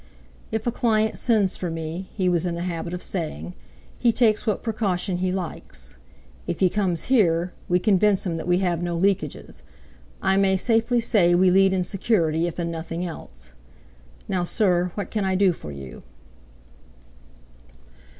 "If a client sends for me," he was in the habit of saying, "he takes what precaution he likes. If he comes here, we convince him that we have no leakages. I may safely say we lead in security, if in nothing else....Now, sir, what can I do for you?"